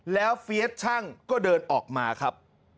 แล้วเฟียสช่างก็เดินออกมาครับ